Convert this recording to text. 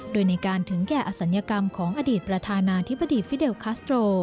โดยในการถึงแก่อศัลยกรรมของอดีตประธานาธิบดีฟิเดลคัสโตร